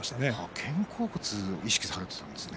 肩甲骨を意識されていたんですね。